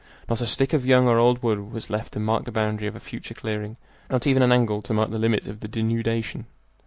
Not a stick of young or old wood was left to mark the boundary of a future clearing, not even an angle to mark the limit of the denudation.